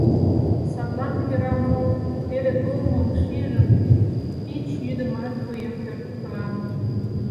Садлан кӧра мо, теле толмым шижын, Пич йӱдымат вуем пӧрдыктылам.